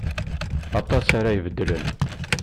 Aṭas ara ibeddlen.